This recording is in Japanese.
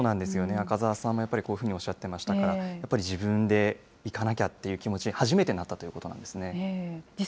赤澤さんも、やっぱりこういうふうにおっしゃってましたから、やっぱり自分で行かなきゃっていう気持ちに、初めてなったということなんですね。